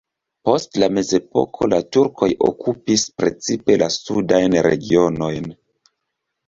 Post la mezepoko la turkoj okupis precipe la sudajn regionojn.